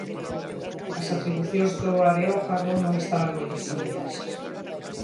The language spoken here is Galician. As atribucións do Areópago non estaban moi definidas.